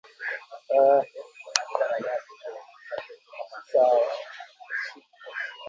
Bana mu mwangiya mayi ku shati yake ya mweupe